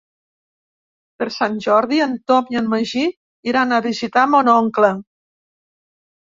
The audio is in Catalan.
Per Sant Jordi en Tom i en Magí iran a visitar mon oncle.